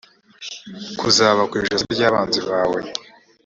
kuzaba ku ijosi ry’abanzi bawe.